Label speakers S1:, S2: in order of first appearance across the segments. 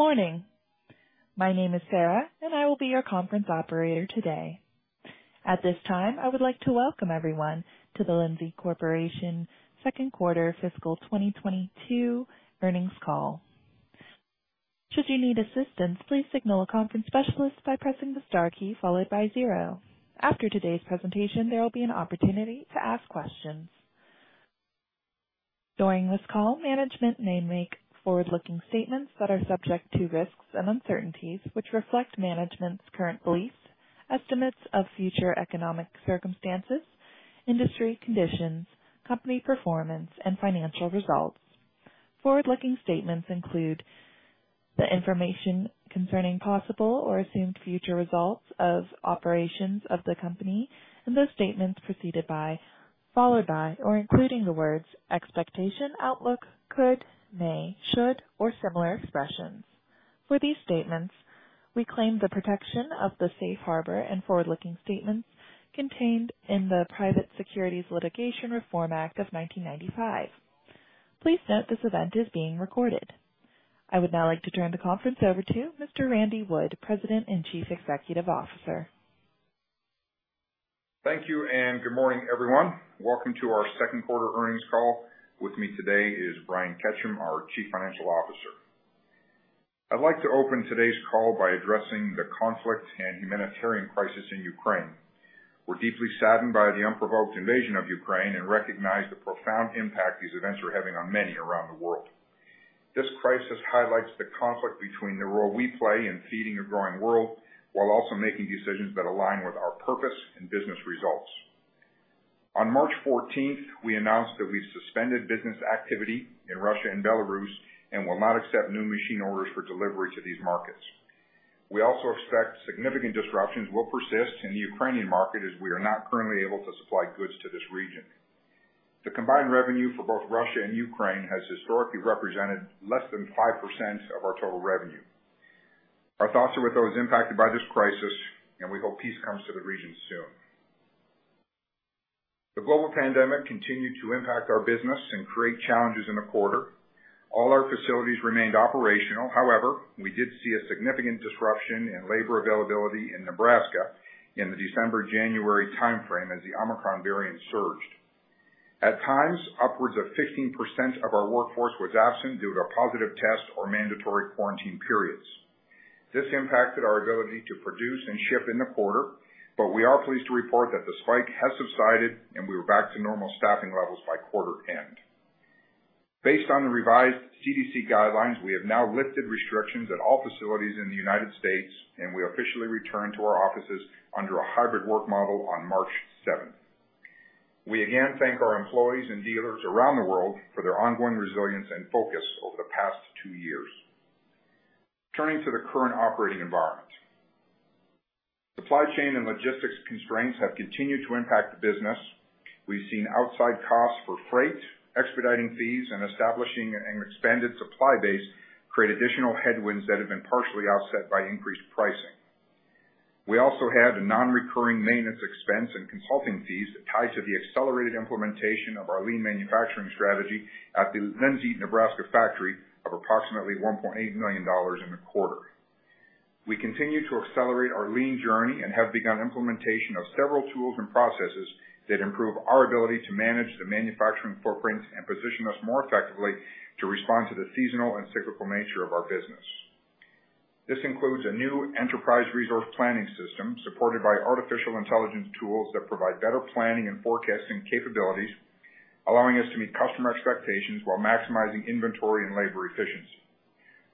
S1: Morning. My name is Sarah, and I will be your conference operator today. At this time, I would like to welcome everyone to the Lindsay Corporation Q2 Fiscal 2022 Earnings Call. Should you need assistance, please signal a conference specialist by pressing the star key followed by zero. After today's presentation, there will be an opportunity to ask questions. During this call, management may make forward-looking statements that are subject to risks and uncertainties, which reflect management's current beliefs, estimates of future economic circumstances, industry conditions, company performance, and financial results. Forward-looking statements include the information concerning possible or assumed future results of operations of the company and those statements preceded by, followed by, or including the words expectation, outlook, could, may, should, or similar expressions. For these statements, we claim the protection of the safe harbor and forward-looking statements contained in the Private Securities Litigation Reform Act of 1995. Please note this event is being recorded. I would now like to turn the conference over to Mr. Randy Wood, President and Chief Executive Officer.
S2: Thank you and good morning, everyone. Welcome to our Q2 earnings call. With me today is Brian Ketcham, our Chief Financial Officer. I'd like to open today's call by addressing the conflict and humanitarian crisis in Ukraine. We're deeply saddened by the unprovoked invasion of Ukraine and recognize the profound impact these events are having on many around the world. This crisis highlights the conflict between the role we play in feeding a growing world while also making decisions that align with our purpose and business results. On March 14th, we announced that we suspended business activity in Russia and Belarus and will not accept new machine orders for delivery to these markets. We also expect significant disruptions will persist in the Ukrainian market as we are not currently able to supply goods to this region. The combined revenue for both Russia and Ukraine has historically represented less than 5% of our total revenue. Our thoughts are with those impacted by this crisis, and we hope peace comes to the region soon. The global pandemic continued to impact our business and create challenges in the quarter. All our facilities remained operational. However, we did see a significant disruption in labor availability in Nebraska in the December-January timeframe as the Omicron variant surged. At times, upwards of 15% of our workforce was absent due to a positive test or mandatory quarantine periods. This impacted our ability to produce and ship in the quarter, but we are pleased to report that the spike has subsided and we were back to normal staffing levels by quarter end. Based on the revised CDC guidelines, we have now lifted restrictions at all facilities in the United States, and we officially return to our offices under a hybrid work model on March 7th. We again thank our employees and dealers around the world for their ongoing resilience and focus over the past two years. Turning to the current operating environment. Supply chain and logistics constraints have continued to impact the business. We've seen outside costs for freight, expediting fees, and establishing an expanded supply base create additional headwinds that have been partially offset by increased pricing. We also had a non-recurring maintenance expense and consulting fees tied to the accelerated implementation of our lean manufacturing strategy at the Lindsay, Nebraska factory of approximately $1.8 million in the quarter. We continue to accelerate our lean journey and have begun implementation of several tools and processes that improve our ability to manage the manufacturing footprint and position us more effectively to respond to the seasonal and cyclical nature of our business. This includes a new enterprise resource planning system supported by artificial intelligence tools that provide better planning and forecasting capabilities, allowing us to meet customer expectations while maximizing inventory and labor efficiency.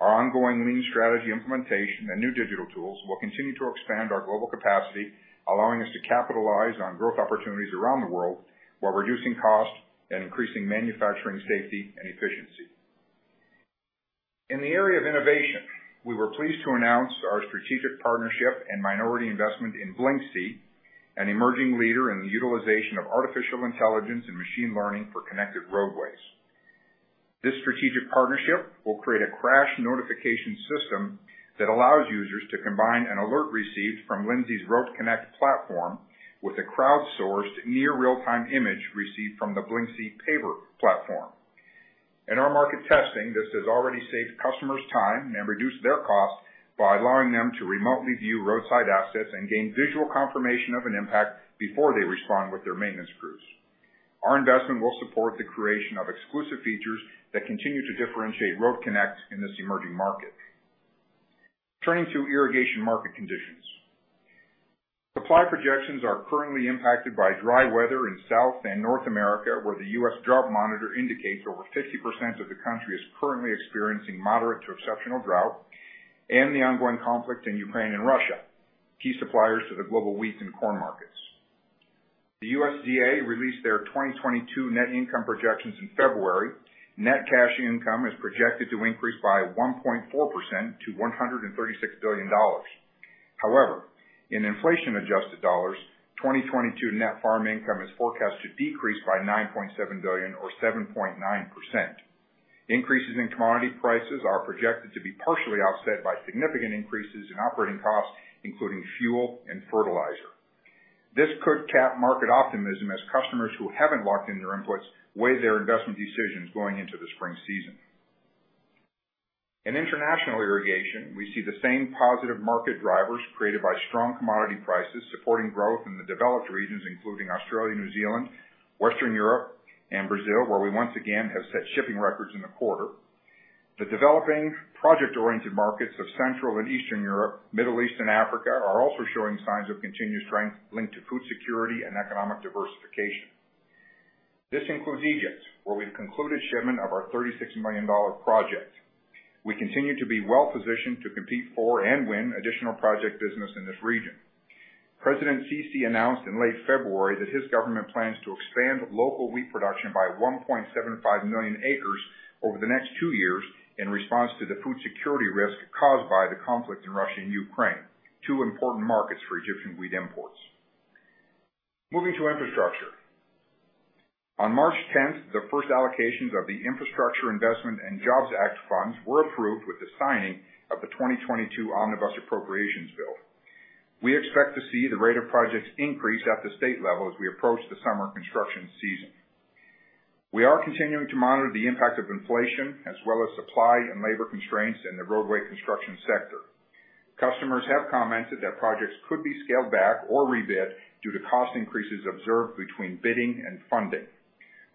S2: Our ongoing lean strategy implementation and new digital tools will continue to expand our global capacity, allowing us to capitalize on growth opportunities around the world while reducing cost and increasing manufacturing safety and efficiency. In the area of innovation, we were pleased to announce our strategic partnership and minority investment in Blyncsy, an emerging leader in the utilization of artificial intelligence and machine learning for connected roadways. This strategic partnership will create a crash notification system that allows users to combine an alert received from Lindsay's RoadConnect platform with a crowdsourced near real-time image received from the Blyncsy Payver platform. In our market testing, this has already saved customers time and reduced their costs by allowing them to remotely view roadside assets and gain visual confirmation of an impact before they respond with their maintenance crews. Our investment will support the creation of exclusive features that continue to differentiate RoadConnect in this emerging market. Turning to irrigation market conditions. Supply projections are currently impacted by dry weather in South and North America, where the U.S. Drought Monitor indicates over 50% of the country is currently experiencing moderate to exceptional drought and the ongoing conflict in Ukraine and Russia, key suppliers to the global wheat and corn markets. The USDA released their 2022 net income projections in February. Net cash income is projected to increase by 1.4% to $136 billion. However, in inflation-adjusted dollars, 2022 net farm income is forecast to decrease by $9.7 billion or 7.9%. Increases in commodity prices are projected to be partially offset by significant increases in operating costs, including fuel and fertilizer. This could cap market optimism as customers who haven't locked in their inputs weigh their investment decisions going into the spring season. In international irrigation, we see the same positive market drivers created by strong commodity prices supporting growth in the developed regions, including Australia, New Zealand, Western Europe, and Brazil, where we once again have set shipping records in the quarter. The developing project-oriented markets of Central and Eastern Europe, Middle East, and Africa are also showing signs of continued strength linked to food security and economic diversification. This includes Egypt, where we've concluded shipment of our $36 million project. We continue to be well-positioned to compete for and win additional project business in this region. President Sisi announced in late February that his government plans to expand local wheat production by 1.75 million acres over the next two years in response to the food security risk caused by the conflict in Russia and Ukraine, two important markets for Egyptian wheat imports. Moving to infrastructure. On March 10, the first allocations of the Infrastructure Investment and Jobs Act funds were approved with the signing of the 2022 Omnibus Appropriations Bill. We expect to see the rate of projects increase at the state level as we approach the summer construction season. We are continuing to monitor the impact of inflation as well as supply and labor constraints in the roadway construction sector. Customers have commented that projects could be scaled back or rebid due to cost increases observed between bidding and funding.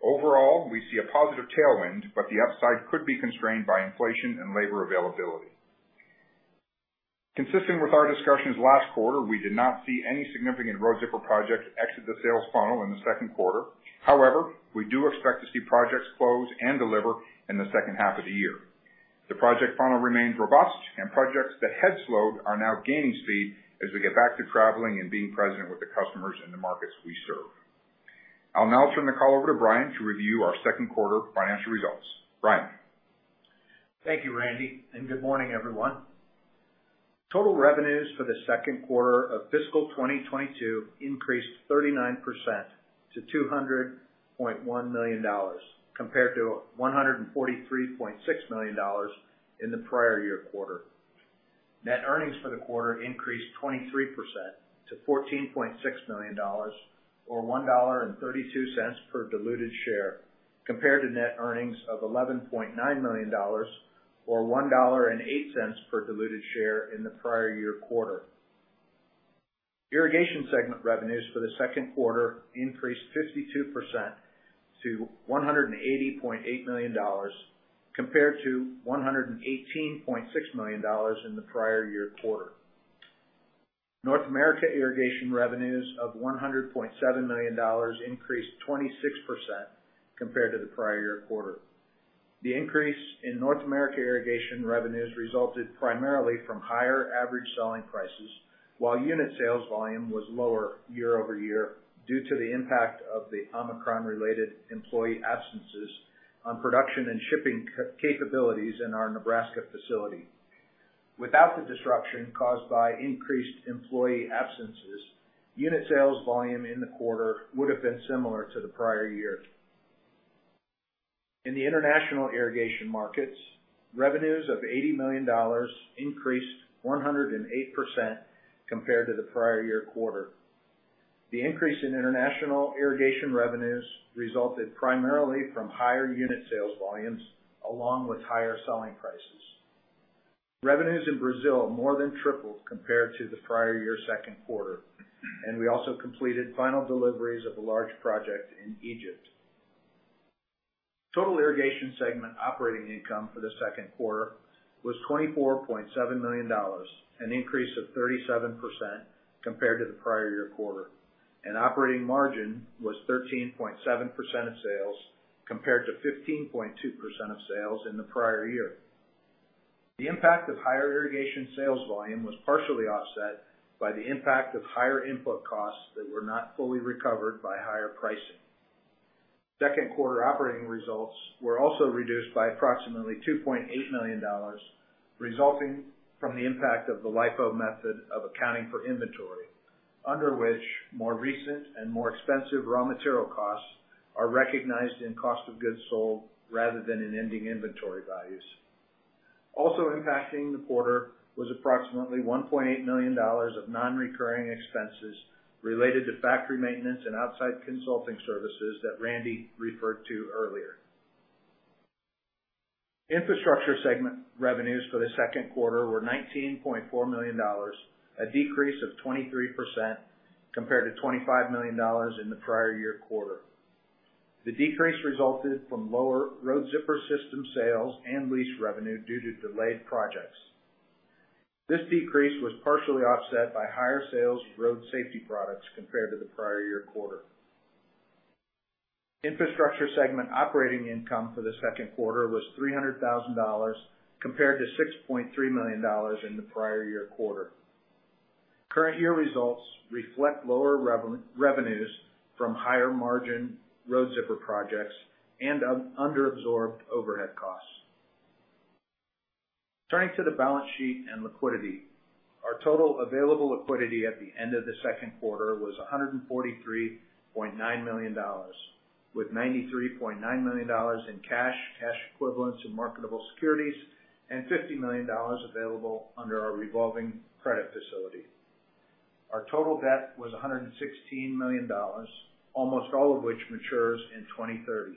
S2: Overall, we see a positive tailwind, but the upside could be constrained by inflation and labor availability. Consistent with our discussions last quarter, we did not see any significant Road Zipper project exit the sales funnel in the second quarter. However, we do expect to see projects close and deliver in the second half of the year. The project funnel remains robust, and projects that had slowed are now gaining speed as we get back to traveling and being present with the customers in the markets we serve. I'll now turn the call over to Brian to review our Q2 financial results. Brian?
S3: Thank you, Randy, and good morning, everyone. Total revenues for the Q2 of fiscal 2022 increased 39% to $200.1 million compared to $143.6 million in the prior year quarter. Net earnings for the quarter increased 23% to $14.6 million or $1.32 per diluted share, compared to net earnings of $11.9 million or $1.08 per diluted share in the prior year quarter. Irrigation segment revenues for the Q2 increased 52% to $180.8 million compared to $118.6 million in the prior year quarter. North America irrigation revenues of $100.7 million increased 26% compared to the prior year quarter. The increase in North America irrigation revenues resulted primarily from higher average selling prices, while unit sales volume was lower year-over-year due to the impact of the Omicron-related employee absences on production and shipping capabilities in our Nebraska facility. Without the disruption caused by increased employee absences, unit sales volume in the quarter would have been similar to the prior year. In the international irrigation markets, revenues of $80 million increased 108% compared to the prior-year quarter. The increase in international irrigation revenues resulted primarily from higher unit sales volumes along with higher selling prices. Revenues in Brazil more than tripled compared to the prior-year Q2, and we also completed final deliveries of a large project in Egypt. Total Irrigation segment operating income for the Q2 was $24.7 million, an increase of 37% compared to the prior year quarter, and operating margin was 13.7% of sales compared to 15.2% of sales in the prior year. The impact of higher irrigation sales volume was partially offset by the impact of higher input costs that were not fully recovered by higher pricing. Q2 operating results were also reduced by approximately $2.8 million resulting from the impact of the LIFO method of accounting for inventory, under which more recent and more expensive raw material costs are recognized in cost of goods sold rather than in ending inventory values. Also impacting the quarter was approximately $1.8 million of non-recurring expenses related to factory maintenance and outside consulting services that Randy referred to earlier. Infrastructure segment revenues for the Q2 were $19.4 million, a decrease of 23% compared to $25 million in the prior year quarter. The decrease resulted from lower Road Zipper system sales and lease revenue due to delayed projects. This decrease was partially offset by higher sales of road safety products compared to the prior year quarter. Infrastructure segment operating income for the Q2 was $300,000 compared to $6.3 million in the prior year quarter. Current year results reflect lower revenues from higher margin Road Zipper projects and under-absorbed overhead costs. Turning to the balance sheet and liquidity. Our total available liquidity at the end of the Q2 was $143.9 million. With $93.9 million in cash equivalents, and marketable securities, and $50 million available under our revolving credit facility. Our total debt was $116 million, almost all of which matures in 2030.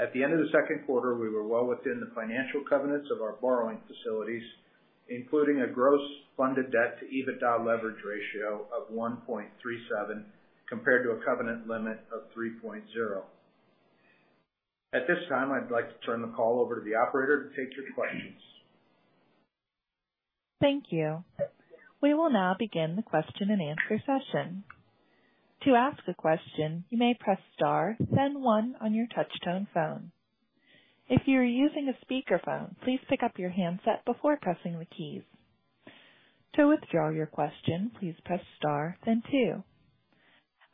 S3: At the end of the Q2, we were well within the financial covenants of our borrowing facilities, including a gross funded debt to EBITDA leverage ratio of 1.37, compared to a covenant limit of 3.0. At this time, I'd like to turn the call over to the operator to take your questions.
S1: Thank you. We will now begin the question and answer session. To ask a question, you may press star then one on your touch tone phone. If you are using a speaker phone, please pick up your handset before pressing the keys. To withdraw your question, please press star then two.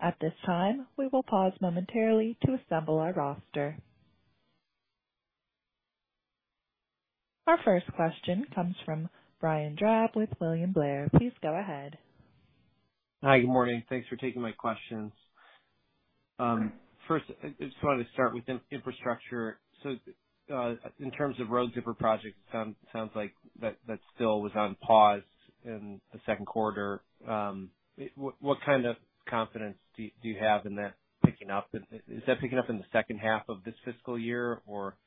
S1: At this time, we will pause momentarily to assemble our roster. Our first question comes from Brian Drab with William Blair. Please go ahead.
S4: Hi. Good morning. Thanks for taking my questions. First, I just wanted to start with infrastructure. In terms of Road Zipper projects, sounds like that still was on pause in the Q2. What kind of confidence do you have in that picking up? Is that picking up in the second half of this fiscal year? You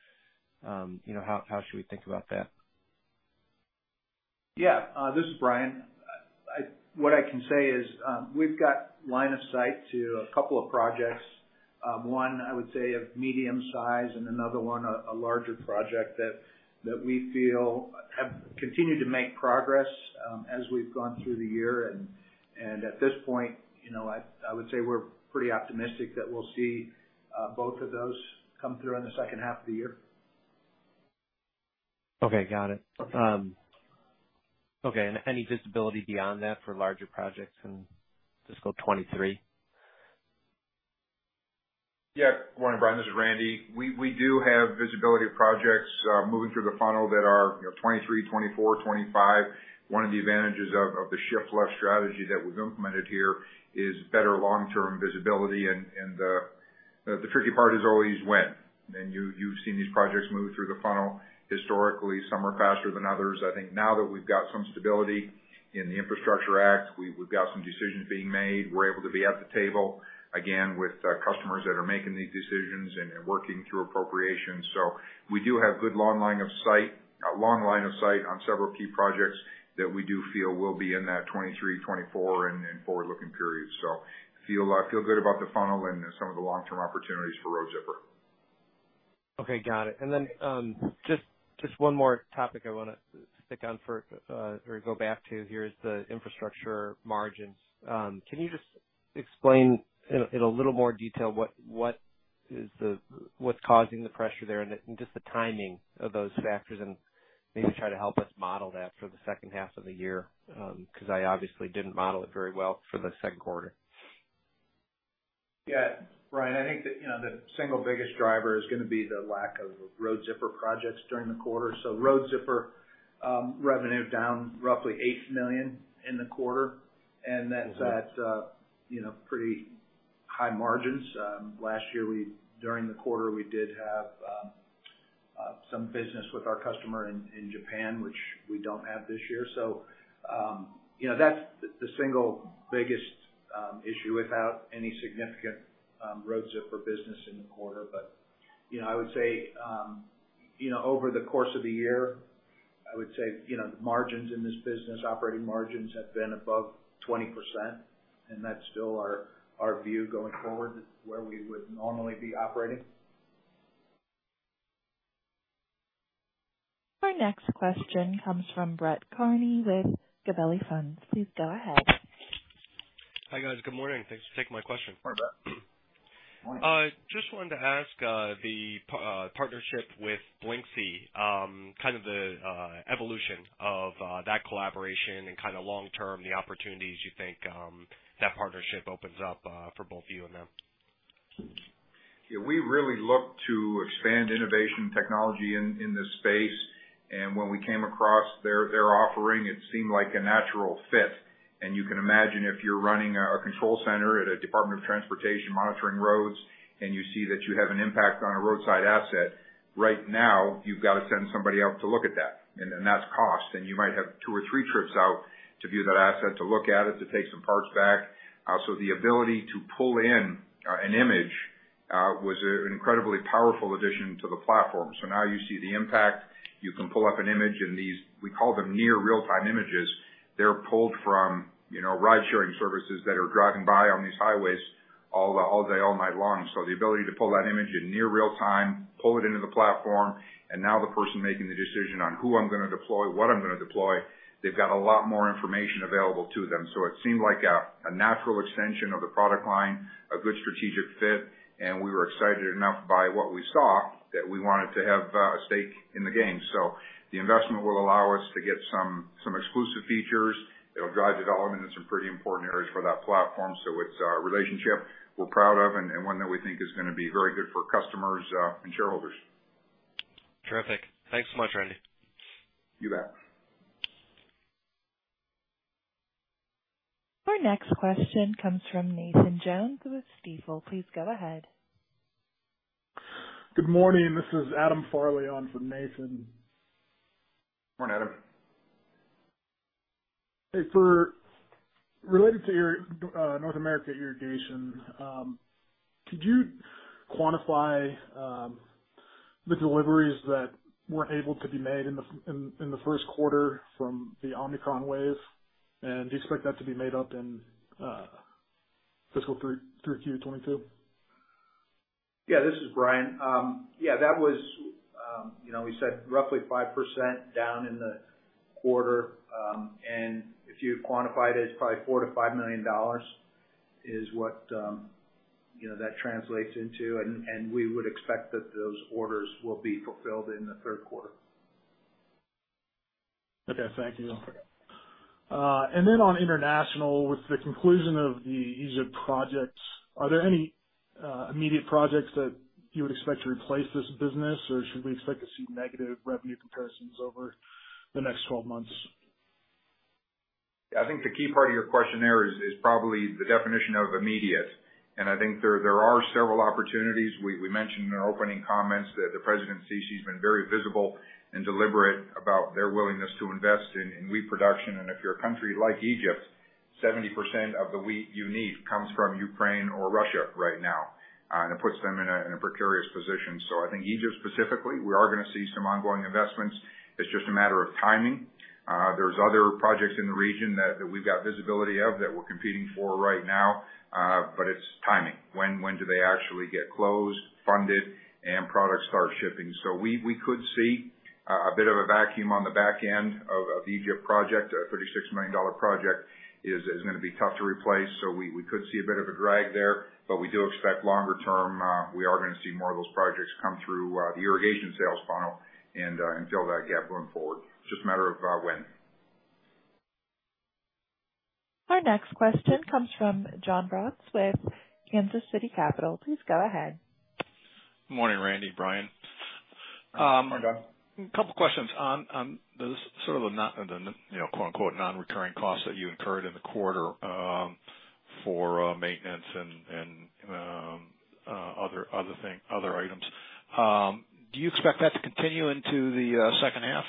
S4: know, how should we think about that?
S3: Yeah. This is Brian. What I can say is, we've got line of sight to a couple of projects. One, I would say a medium size and another one a larger project that we feel have continued to make progress as we've gone through the year. At this point, you know, I would say we're pretty optimistic that we'll see both of those come through in the second half of the year.
S4: Okay. Got it.
S5: Okay. Any visibility beyond that for larger projects in fiscal 2023?
S2: Yeah. Good morning, Brian. This is Randy. We do have visibility of projects moving through the funnel that are, you know, 2023, 2024, 2025. One of the advantages of the shift left strategy that we've implemented here is better long-term visibility. The tricky part is always when, and you've seen these projects move through the funnel. Historically, some are faster than others. I think now that we've got some stability in the Infrastructure Act, we've got some decisions being made. We're able to be at the table again with customers that are making these decisions and working through appropriations. We do have good long line of sight on several key projects that we do feel will be in that 2023, 2024, and forward-looking periods. Feel good about the funnel and some of the long-term opportunities for Road Zipper.
S4: Okay. Got it. Just one more topic I wanna stick on for or go back to here is the infrastructure margins. Can you just explain in a little more detail what's causing the pressure there and just the timing of those factors, and maybe try to help us model that for the second half of the year? Because I obviously didn't model it very well for the Q2.
S3: Yeah. Brian, I think you know the single biggest driver is gonna be the lack of Road Zipper projects during the quarter. Road Zipper revenue down roughly $8 million in the quarter, and that's at you know pretty high margins. Last year during the quarter, we did have some business with our customer in Japan, which we don't have this year. You know that's the single biggest issue without any significant Road Zipper business in the quarter. You know I would say you know over the course of the year margins in this business, operating margins have been above 20%, and that's still our view going forward. This is where we would normally be operating.
S1: Our next question comes from Brett Kearney with Gabelli Funds. Please go ahead.
S6: Hi. Guys. Good morning. Thanks for taking my question.
S2: Hi, Brett.
S6: Morning. Just wanted to ask about the partnership with Blyncsy, kind of the evolution of that collaboration and kind of long term, the opportunities you think that partnership opens up for both you and them.
S2: Yeah, we really look to expand innovation technology in this space. When we came across their offering, it seemed like a natural fit. You can imagine if you're running a control center at a Department of Transportation monitoring roads, and you see that you have an impact on a roadside asset. Right now, you've got to send somebody out to look at that, and that's cost. You might have two or three trips out to view that asset, to look at it, to take some parts back. The ability to pull in an image was an incredibly powerful addition to the platform. Now you see the impact. You can pull up an image, and these, we call them near real-time images. They're pulled from, you know, ridesharing services that are driving by on these highways all day, all night long. The ability to pull that image in near real time, pull it into the platform, and now the person making the decision on who I'm gonna deploy, what I'm gonna deploy, they've got a lot more information available to them. It seemed like a natural extension of the product line, a good strategic fit, and we were excited enough by what we saw that we wanted to have a stake in the game. The investment will allow us to get some exclusive features. It'll drive development in some pretty important areas for that platform. It's a relationship we're proud of and one that we think is gonna be very good for customers and shareholders.
S6: Terrific. Thanks so much, Randy.
S2: You bet.
S1: Our next question comes from Nathan Jones with Stifel. Please go ahead.
S7: Good morning. This is Adam Farley on for Nathan.
S2: Morning, Adam.
S7: Hey, related to your North America irrigation, could you quantify the deliveries that weren't able to be made in the Q1 from the Omicron wave? Do you expect that to be made up in fiscal through Q 2022?
S3: Yeah, this is Brian. Yeah, that was, you know, we said roughly 5% down in the quarter. If you quantify it's probably $4-$5 million is what, you know, that translates into. We would expect that those orders will be fulfilled in the Q3.
S7: Okay. Thank you.
S3: No problem.
S7: On international, with the conclusion of the Egypt project, are there any immediate projects that you would expect to replace this business, or should we expect to see negative revenue comparisons over the next 12 months?
S2: I think the key part of your question there is probably the definition of immediate. I think there are several opportunities. We mentioned in our opening comments that President Sisi has been very visible and deliberate about their willingness to invest in wheat production. If you're a country like Egypt, 70% of the wheat you need comes from Ukraine or Russia right now. It puts them in a precarious position. I think Egypt specifically, we are gonna see some ongoing investments. It's just a matter of timing. There's other projects in the region that we've got visibility of that we're competing for right now. It's timing. When do they actually get closed, funded, and product start shipping. We could see a bit of a vacuum on the back end of the Egypt project. A $36 million project is gonna be tough to replace, so we could see a bit of a drag there. We do expect longer term, we are gonna see more of those projects come through the irrigation sales funnel and fill that gap going forward. It's just a matter of when.
S1: Our next question comes from Jon Braatz with Kansas City Capital. Please go ahead.
S8: Morning, Randy, Brian.
S2: Morning, Jon.
S8: A couple questions on the sort of non-recurring costs that you incurred in the quarter for maintenance and other items. Do you expect that to continue into the second half?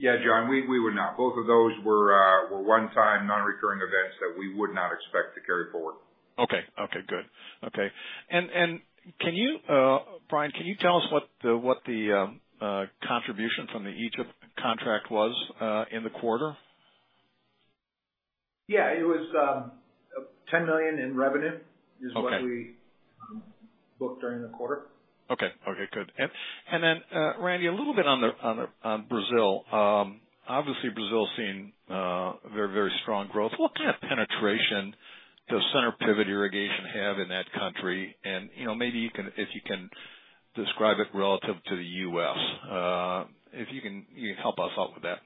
S3: Yeah, Jon, we would not. Both of those were one-time non-recurring events that we would not expect to carry forward.
S8: Okay, good. Can you, Brian, tell us what the contribution from the Egypt contract was in the quarter?
S3: Yeah. It was $10 million in revenue-
S8: Okay.
S3: This is what we booked during the quarter.
S8: Okay, good. Then, Randy, a little bit on Brazil. Obviously Brazil is seeing very strong growth. What kind of penetration does center pivot irrigation have in that country? You know, if you can describe it relative to the U.S., you can help us out with that.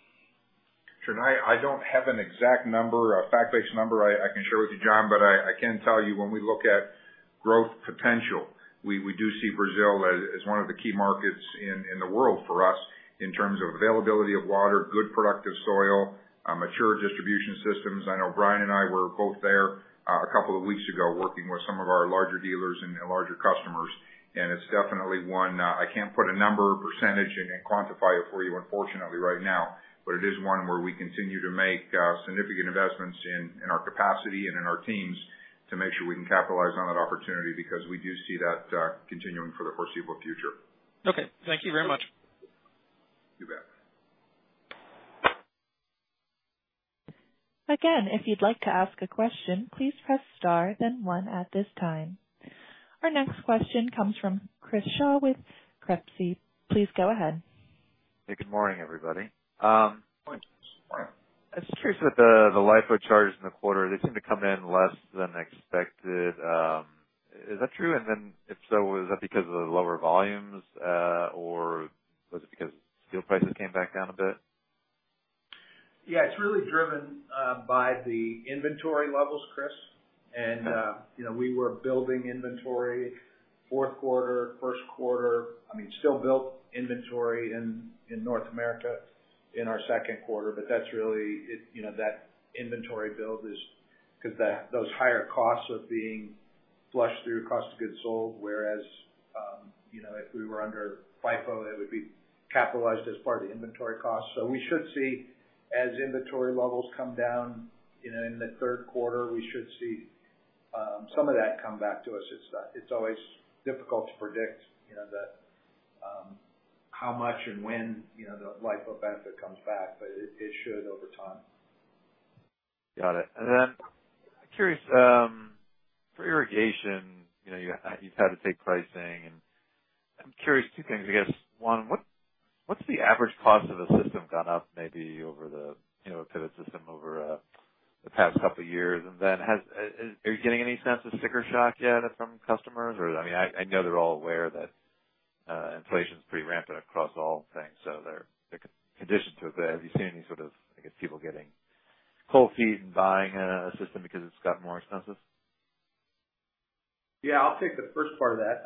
S2: Sure. I don't have an exact number, a fact-based number I can share with you, Jon, but I can tell you when we look at growth potential, we do see Brazil as one of the key markets in the world for us in terms of availability of water, good productive soil, mature distribution systems. I know Brian and I were both there a couple of weeks ago working with some of our larger dealers and larger customers, and it's definitely one. I can't put a number or percentage and quantify it for you unfortunately right now, but it is one where we continue to make significant investments in our capacity and in our teams to make sure we can capitalize on that opportunity because we do see that continuing for the foreseeable future.
S8: Okay. Thank you very much.
S2: You bet.
S1: Our next question comes from Chris Shaw with Crespi. Please go ahead.
S9: Hey, good morning, everybody.
S2: Morning.
S9: It's true that the LIFO charges in the quarter, they seem to come in less than expected. Is that true? If so, is that because of the lower volumes, or was it because steel prices came back down a bit?
S3: Yeah, it's really driven by the inventory levels, Chris. You know, we were building inventory Q4, Q1. I mean, still built inventory in North America in our Q2, but that's really it. You know, that inventory build is because those higher costs are being flushed through cost of goods sold, whereas you know, if we were under FIFO, it would be capitalized as part of the inventory cost. We should see as inventory levels come down you know, in the Q3, we should see some of that come back to us. It's always difficult to predict you know, the how much and when you know, the LIFO benefit comes back, but it should over time.
S9: Got it. Curious, for irrigation, you know, you've had to take pricing, and I'm curious two things, I guess. One, what's the average cost of a system gone up, maybe over the, you know, a pivot system over the past couple of years? Are you getting any sense of sticker shock yet from customers? I mean, I know they're all aware that inflation's pretty rampant across all things, so they're conditioned to it, but have you seen any sort of, I guess, people getting cold feet and buying a system because it's got more expensive?
S3: Yeah, I'll take the first part of that.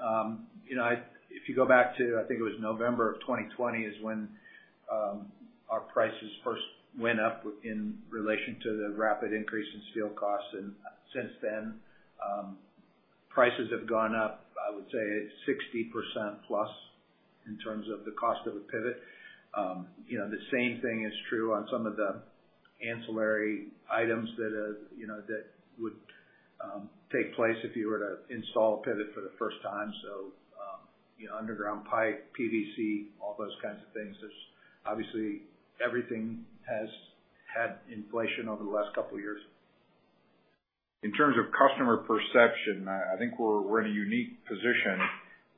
S3: If you go back to, I think it was November of 2020 is when our prices first went up in relation to the rapid increase in steel costs. Since then, prices have gone up, I would say 60% plus in terms of the cost of a pivot. The same thing is true on some of the ancillary items that would take place if you were to install a pivot for the first time. Underground pipe, PVC, all those kinds of things. There's obviously everything has had inflation over the last couple years.
S2: In terms of customer perception, I think we're in a unique position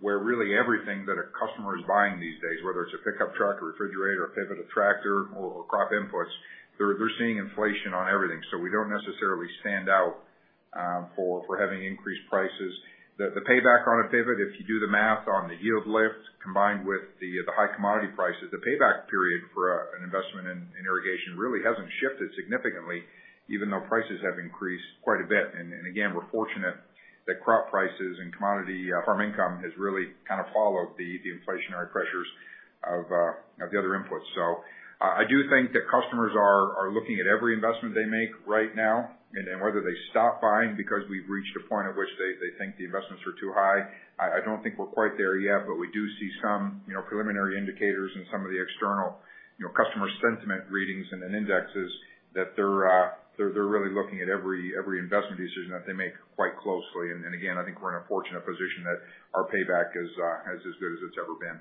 S2: where really everything that a customer is buying these days, whether it's a pickup truck or refrigerator or a pivot, a tractor or crop inputs, they're seeing inflation on everything. So we don't necessarily stand out for having increased prices. The payback on a pivot, if you do the math on the yield lift combined with the high commodity prices, the payback period for an investment in irrigation really hasn't shifted significantly even though prices have increased quite a bit. Again, we're fortunate that crop prices and commodity farm income has really kind of followed the inflationary pressures of the other inputs. I do think that customers are looking at every investment they make right now and then whether they stop buying because we've reached a point at which they think the investments are too high. I don't think we're quite there yet, but we do see some, you know, preliminary indicators in some of the external, you know, customer sentiment readings and then indexes that they're really looking at every investment decision that they make quite closely. I think we're in a fortunate position that our payback is as good as it's ever been.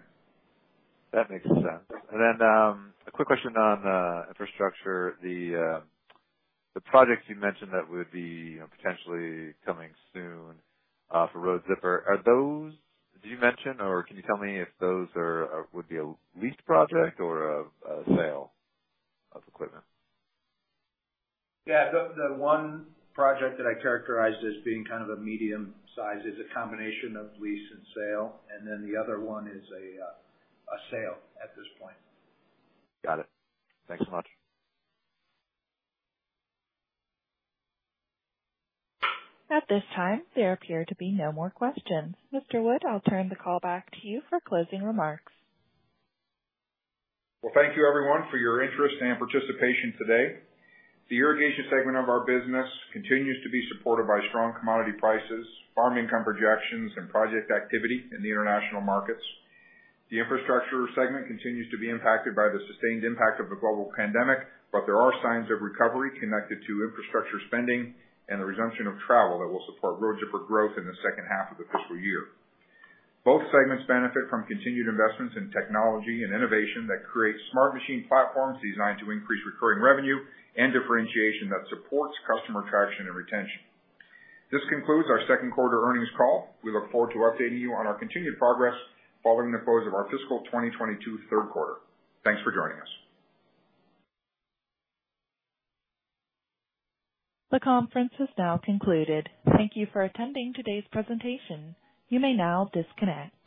S9: That makes sense. A quick question on infrastructure. The projects you mentioned that would be potentially coming soon for Road Zipper. Did you mention or can you tell me if those would be a leased project or a sale of equipment?
S3: Yeah, the one project that I characterized as being kind of a medium size is a combination of lease and sale, and then the other one is a sale at this point.
S9: Got it. Thanks so much.
S1: At this time, there appear to be no more questions. Mr. Wood, I'll turn the call back to you for closing remarks.
S2: Well, thank you everyone for your interest and participation today. The Irrigation segment of our business continues to be supported by strong commodity prices, farm income projections, and project activity in the international markets. The Infrastructure segment continues to be impacted by the sustained impact of the global pandemic, but there are signs of recovery connected to infrastructure spending and the resumption of travel that will support Road Zipper growth in the second half of the fiscal year. Both segments benefit from continued investments in technology and innovation that create smart machine platforms designed to increase recurring revenue and differentiation that supports customer traction and retention. This concludes our Q2 earnings call. We look forward to updating you on our continued progress following the close of our fiscal 2022 Q3. Thanks for joining us.
S1: The conference has now concluded. Thank you for attending today's presentation. You may now disconnect.